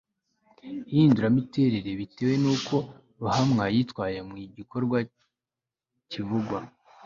ihindura imiterere bitewe n uko ruhamwa yitwaye mu gikorwa kivugwa